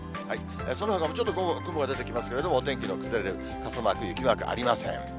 そのほかもちょっと午後、雲が出てきますけれども、お天気の崩れる、傘マーク、雪マークありません。